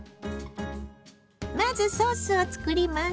まずソースを作ります。